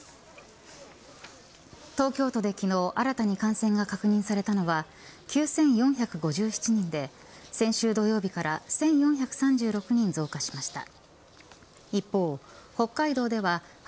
東京都で昨日新たに感染が確認されたのは９４５７人で先週土曜日から１４３６人増加しました。